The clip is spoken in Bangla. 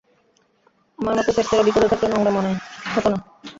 আমার মতো সেক্সের অভিজ্ঞতা থাকলে নোংরা মনে হত না।